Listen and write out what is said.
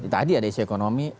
tadi ada isu ekonomi